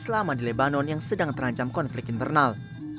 selama di lebanon yang sedang terancam konflik internal